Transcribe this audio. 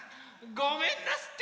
ごめんなすって！